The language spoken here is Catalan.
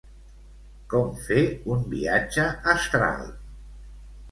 Com fer un viatge astral?